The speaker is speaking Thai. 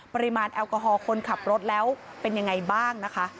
ปริมาณแอลกอฮอลคนขับรถแล้วเป็นยังไงบ้างนะคะ